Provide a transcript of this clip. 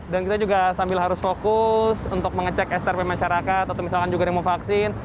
kita juga sambil harus fokus untuk mengecek strp masyarakat atau misalkan juga ada yang mau vaksin